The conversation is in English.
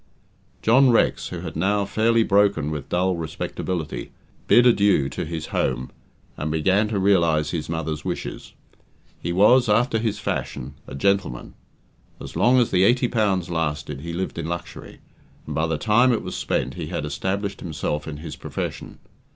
John Rex, who had now fairly broken with dull respectability, bid adieu to his home, and began to realize his mother's wishes. He was, after his fashion, a "gentleman". As long as the £80 lasted, he lived in luxury, and by the time it was spent he had established himself in his profession.